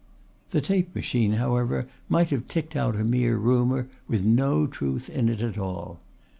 The tape machine, however, might have ticked out a mere rumour with no truth in it at all.